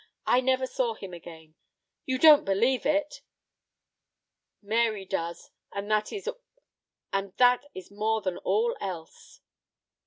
I never saw him again. You don't believe it? Mary does, and that is more than all else."